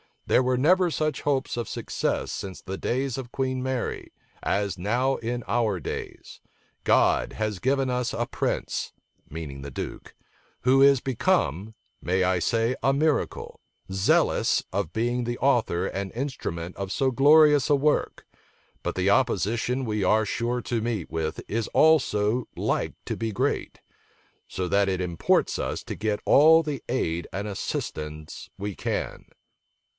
There were never such hopes of success since the days of Queen Mary, as now in our days. God has given us a prince," meaning the duke, "who is become (may I say a miracle) zealous of being the author and instrument of so glorious a work; but the opposition we are sure to meet with is also like to be great: so that it imports us to get all the aid and assistance we can."